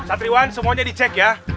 satriwan semuanya dicek ya